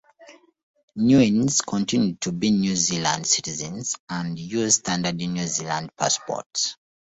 Niueans continue to be New Zealand citizens, and use standard New Zealand passports.